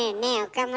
岡村。